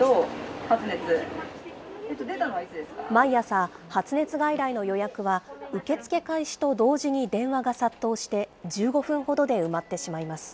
毎朝、発熱外来の予約は、受け付け開始と同時に電話が殺到して、１５分ほどで埋まってしまいます。